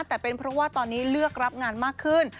แต่เป็นเพราะว่าตอนนี้เลือกรับงานมากขึ้น